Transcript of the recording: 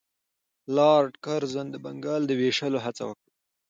لارډ کرزن د بنګال د ویشلو هڅه وکړه.